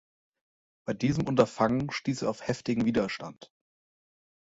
Bei diesem Unterfangen stieß er auf heftigen Widerstand.